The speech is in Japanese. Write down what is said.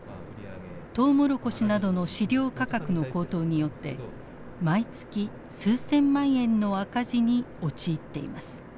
トウモロコシなどの飼料価格の高騰によって毎月数千万円の赤字に陥っています。